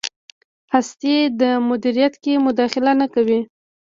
هستۍ مدیریت کې مداخله نه کوي.